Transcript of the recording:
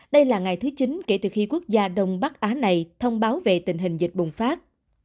đây là ngày thứ chín kể từ khi quốc gia đông bắc á này thông báo về tình hình dịch bùng phát